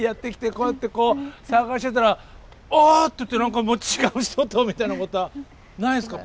こうやってこう捜してたらあって何か違う人とみたいなことはないんすか？